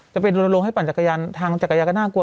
จะเป็นลนลงให้ปั่นจักรยานทางจักรยานก็น่ากลัว